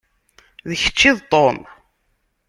D kečč i d Tom?